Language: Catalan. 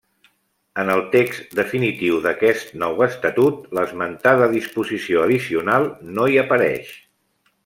En el text definitiu d'aquest nou Estatut, l'esmentada disposició addicional no hi apareix.